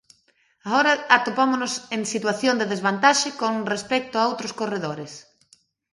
Agora atopámonos en situación de desvantaxe con respecto a outros corredores.